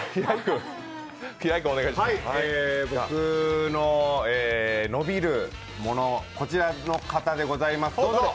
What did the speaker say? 僕の伸びる物、こちらの方でございます。